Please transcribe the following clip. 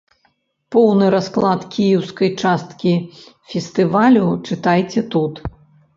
Поўны расклад кіеўскай часткі фестывалю чытайце тут.